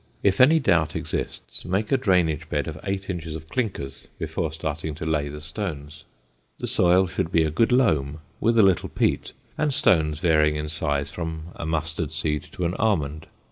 If any doubt exists, make a drainage bed of eight inches of clinkers before starting to lay the stones. The soil should be a good loam with a little peat, and stones varying in size from a mustard seed to an almond.